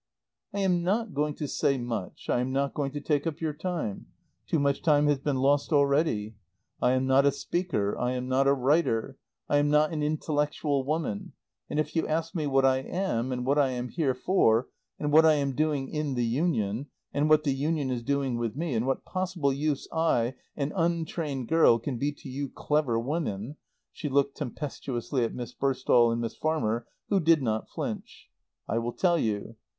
"I am not going to say much, I am not going to take up your time. Too much time has been lost already. I am not a speaker, I am not a writer, I am not an intellectual woman, and if you ask me what I am and what I am here for, and what I am doing in the Union, and what the Union is doing with me, and what possible use I, an untrained girl, can be to you clever women" (she looked tempestuously at Miss Burstall and Miss Farmer who did not flinch), "I will tell you.